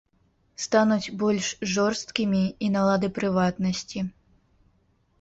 Стануць больш жорсткімі і налады прыватнасці.